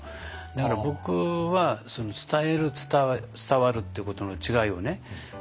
だから僕は伝える伝わるってことの違いをね